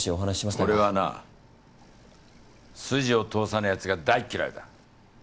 俺はな筋を通さねぇやつが大嫌いだ。